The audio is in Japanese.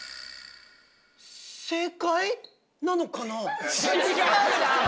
正解？なのかな？